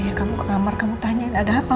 iya kamu ke kamar kamu tanya ada apa